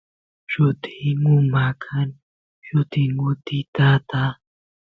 llutingu maqan llutingutitata